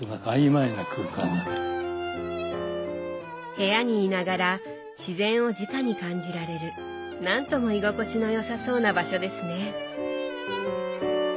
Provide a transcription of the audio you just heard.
部屋にいながら自然をじかに感じられる何とも居心地のよさそうな場所ですね。